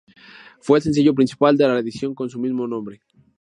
Fue el sencillo principal de la reedición con su mismo nombre.